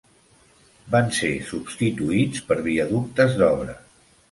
Van ser substituïts per viaductes d'obra.